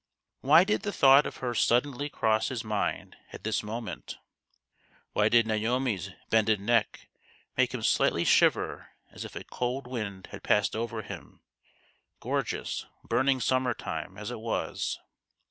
Why did the thought of her suddenly cross his mind at this moment ? Why did Naomi's bended neck make him slightly shiver as if a cold wind had passed over him, gorgeous, 10 150 THE GHOST OF THE PAST. burning summer time as it was